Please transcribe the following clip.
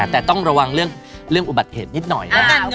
แต่ต้องระวังเรื่องอุบัติเหตุนิดหน่อยนะครับ